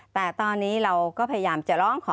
แต่ตอนนี้เราก็พยายามจะร้องขอ